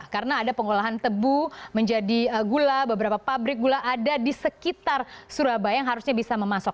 karena ada pengolahan tebu menjadi gula beberapa pabrik gula ada di sekitar surabaya yang harusnya bisa memasok